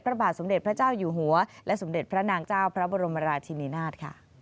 พระบาทสมเด็จพระเจ้าอยู่หัวและสมเด็จพระนางเจ้าพระบรมราชินินาศ